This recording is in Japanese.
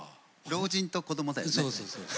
老人と子どもだよね。